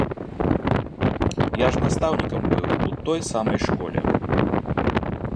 Я ж настаўнікам быў у той самай школе.